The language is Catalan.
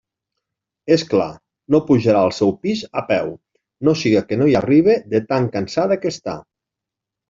És clar, no pujarà al seu pis a peu, no siga que no hi arribe de tan cansada que està.